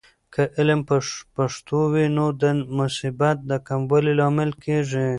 که علم په پښتو وي، نو د مصیبت د کموالي لامل کیږي.